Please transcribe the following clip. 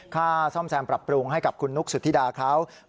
ค่าซ่อมแซมปรับปรุงให้กับคุณนุ๊กสุธิดาเขา